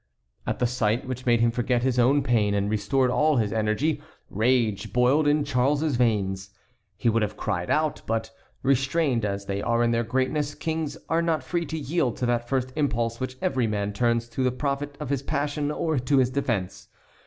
At the sight, which made him forget his own pain and restored all his energy, rage boiled in Charles's veins. He would have cried out; but, restrained as they are in their greatness, kings are not free to yield to that first impulse which every man turns to the profit of his passion or to his defence.